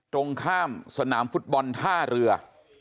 ตรงข้ามสนามฟุตบอลท่าเรือ